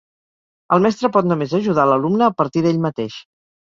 El mestre pot només ajudar l'alumne a partir d'ell mateix.